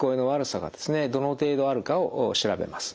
どの程度あるかを調べます。